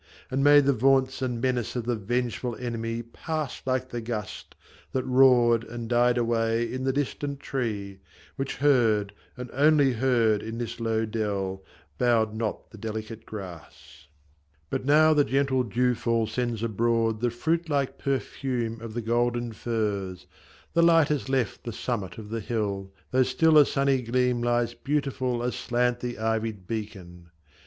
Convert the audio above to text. and may the vaunts And menace of the vengeful enemy Pass like the gust, that roared and died away In the distant tree : which heard, and only heard In this low dell, bowed not the delicate grass. But now the gentle dew fall sends abroad The fruit like perfume of the golden furze : The light has left the summit of the hill, Though still a sunny gleam lies beautiful, Aslant the ivied beacon.